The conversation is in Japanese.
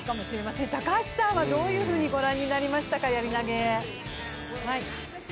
高橋さんはどういうふうに御覧になりましたか？